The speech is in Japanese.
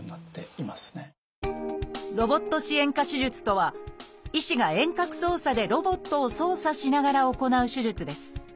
「ロボット支援下手術」とは医師が遠隔操作でロボットを操作しながら行う手術です。